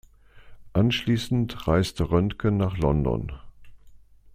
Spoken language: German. Anschließend reiste Roentgen nach London.